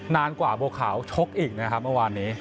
นานกว่าบัวขาวชกอีกนะครับเมื่อวานนี้